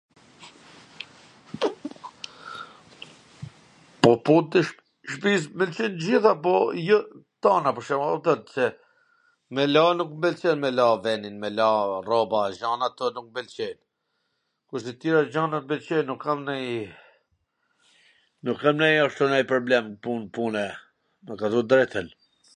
Po punt e shpis m pwlqejn t gjitha po jo t tana, pwr shembull, a kupton, se me la nuk mw pwlqen me la venin me la rroba a gjana, kto nuk m pwlqejn, kurse tjera gjana mw pwlqejn, nuk kam ndonji, nuk kam ndoni ashtu ndonjw problem pun pune, me kallzu t drejtwn.